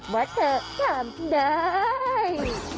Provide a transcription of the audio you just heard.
ว่าเธอถามได้